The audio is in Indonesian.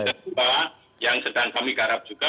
yang kedua yang sedang kami garap juga